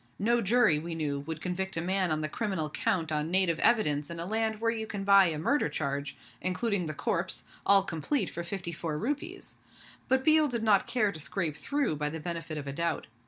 No jury, we knew, would convict a man on the criminal count on native evidence in a land where you can buy a murder charge, including the corpse, all complete for fifty four rupees; but Biel did not care to scrape through by the benefit of a doubt.